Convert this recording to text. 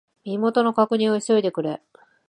身元の確認を急いでくれ。